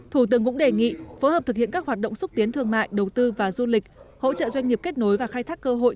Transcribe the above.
thủ tướng cũng đề nghị phối hợp thực hiện các hoạt động xúc tiến thương mại đầu tư và du lịch hỗ trợ doanh nghiệp kết nối và khai thác cơ hội